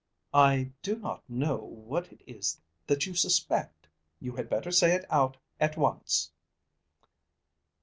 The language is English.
"I do not know what it is that you suspect. You had better say it out at once."